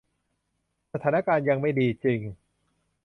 สถานการณ์ยังไม่ดีจริง